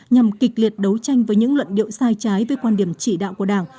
nhằm kịch liệt đấu tranh với những luận điệu sai trái với quan điểm chỉ đạo của đảng